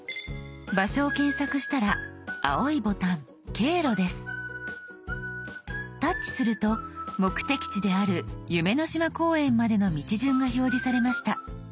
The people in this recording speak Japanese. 場所を検索したら青いボタン「経路」です。タッチすると目的地である夢の島公園までの道順が表示されました。